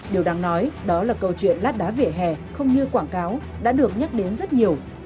điều đáng nói đó là câu chuyện lát đá vỉa hè không như quảng cáo đã được nhắc đến rất nhiều